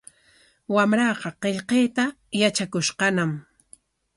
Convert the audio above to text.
Wamraaqa qillqayta yatrakushqañam.